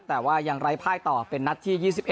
แต่ว่ายังไร้ภายต่อเป็นนัดที่๒๑